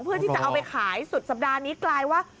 เพื่อที่จะเอาไปขายสุดสัปดาห์นี้กลายว่า